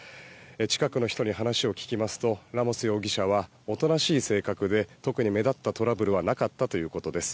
近くの人に話を聞きますとラモス容疑者はおとなしい性格で特に目立ったトラブルはなかったということです。